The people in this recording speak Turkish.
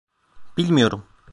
Bilmiyorum.